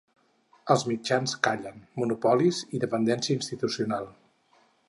Els mitjans callen, monopolis i dependència institucional.